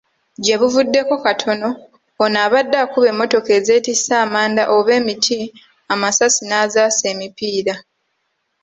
Gyebuvuddeko katono, ono abadde akuba emmotoka ezeetisse amanda oba emiti, amasasi n'azaasa emipiira.